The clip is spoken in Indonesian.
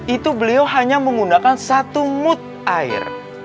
itu beliau hanya menggunakan satu mood air